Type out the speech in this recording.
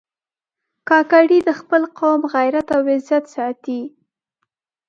کاکړي د خپل قوم غیرت او عزت ساتي.